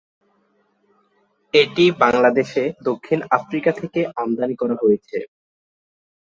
এটি বাংলাদেশে দক্ষিণ আফ্রিকা থেকে আমদানী করা হয়েছে।